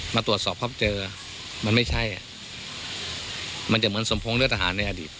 มาตรวจสอบครอบเจอมันไม่ใช่มันจะเหมือนสมพงษ์เลือดทหารในอดีต